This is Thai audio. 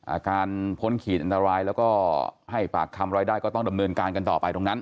อาการพ้นขีดอันตรายแล้วก็ให้ปากคำรายได้ก็ต้องดำเนินการกันต่อไปตรงนั้น